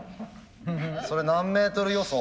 それ何メートル予想？